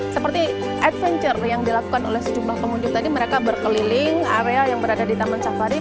seperti adventure yang dilakukan oleh sejumlah pengunjung tadi mereka berkeliling area yang berada di taman safari